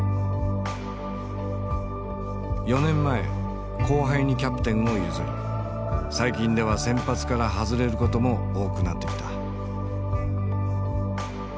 ４年前後輩にキャプテンを譲り最近では先発から外れることも多くなってきた。